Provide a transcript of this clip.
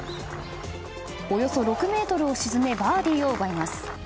およそ６ｍを沈めバーディーを奪います。